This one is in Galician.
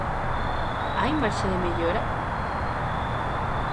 Hai marxe de mellora?